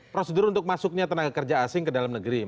prosedur untuk masuknya tenaga kerja asing ke dalam negeri